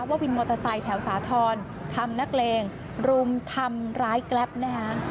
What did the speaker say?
วินมอเตอร์ไซค์แถวสาธรณ์ทำนักเลงรุมทำร้ายแกรปนะฮะ